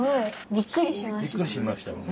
びっくりしましたよね。